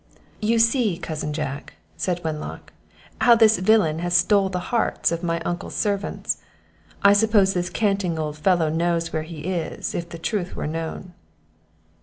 "You see, cousin Jack," said Wenlock, "how this villain has stole the hearts of my uncle's servants; I suppose this canting old fellow knows where he is, if the truth were known."